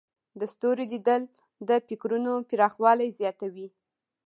د ستورو لیدل د فکرونو پراخوالی زیاتوي.